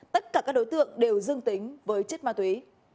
tất cả các đối tượng đều dương tính với chất ma túy